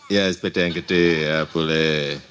ya sepeda yang gede ya boleh